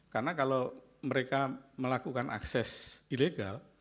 karena kalau mereka melakukan akses ilegal